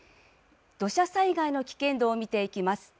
土砂災害の危険度を見ていきます。